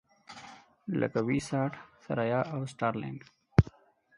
لکه وي-ساټ، ثریا او سټارلېنک.